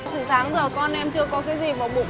từ sáng giờ con em chưa có cái gì mà bụng